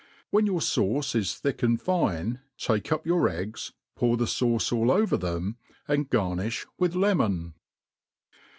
When your fauce is thick. and fine, take up your eggs, pour the fauce all over them, and garni& with le« mon.